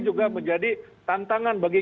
juga menjadi tantangan bagi